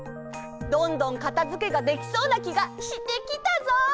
どんどんかたづけができそうなきがしてきたぞ。